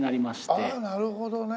ああなるほどね。